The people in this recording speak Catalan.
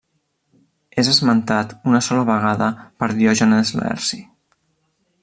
És esmentat una sola vegada per Diògenes Laerci.